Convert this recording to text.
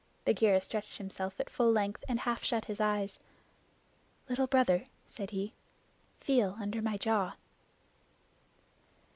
Bagheera stretched himself at full length and half shut his eyes. "Little Brother," said he, "feel under my jaw."